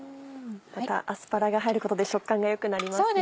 またアスパラが入ることで食感が良くなりますね。